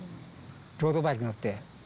ロードバイク乗って。